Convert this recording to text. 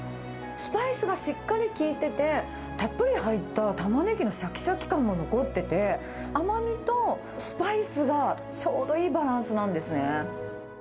スパイスがしっかり効いてて、たっぷり入ったタマネギのしゃきしゃき感も残ってて、甘みとスパイスがちょうどいいバランスなんですね。